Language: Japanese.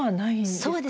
そうですね